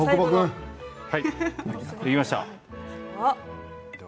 できました。